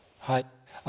はい。